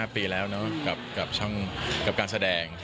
๕ปีแล้วกับช่องกับการแสดง